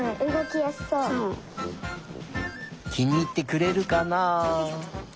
きにいってくれるかな？